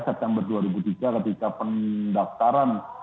september dua ribu tiga ketika pendaftaran